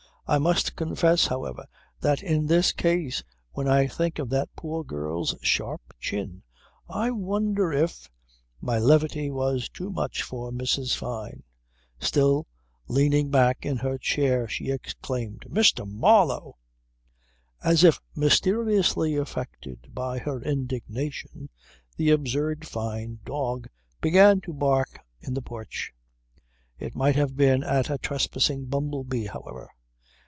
I must confess however that in this case when I think of that poor girl's sharp chin I wonder if ..." My levity was too much for Mrs. Fyne. Still leaning back in her chair she exclaimed: "Mr. Marlow!" As if mysteriously affected by her indignation the absurd Fyne dog began to bark in the porch. It might have been at a trespassing bumble bee however.